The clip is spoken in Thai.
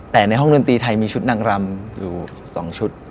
แต่ในห้องดนตรีไทยมีชุดนางรำอยู่๒ชุด